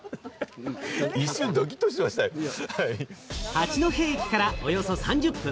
八戸駅からおよそ３０分。